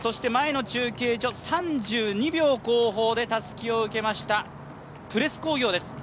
そして前の中継所、３２秒後方でたすきを受けましたプレス工業です。